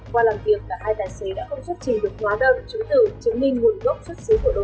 qua làm việc cả hai tài xế đã không xuất trình được hóa đơn chứng tử chứng minh nguồn gốc xuất xứ của đồ